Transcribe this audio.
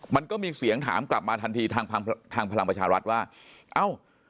มันก็มีเสียงถามกลับมาทันทีทางพลังประชารัฐว่าเอ้า